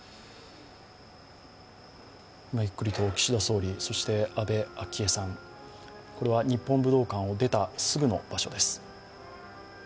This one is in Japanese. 今、ゆっくりと岸田総理、そして安倍昭恵さん、これは日本武道館を出たすぐの場所です。